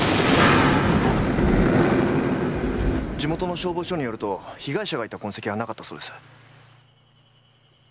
地元の消防署によると被害者がいた痕跡はなかったそうです。